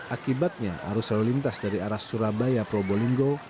akibatnya arus lalu lintas dari arah surabaya probolinggo